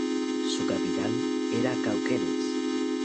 Su capital era Cauquenes.